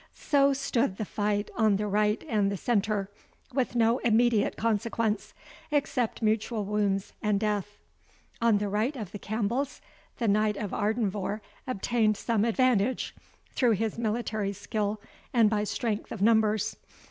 So stood the fight on the right and the centre, with no immediate consequence, except mutual wounds and death. On the right of the Campbells, the Knight of Ardenvohr obtained some advantage, through his military skill and by strength of numbers.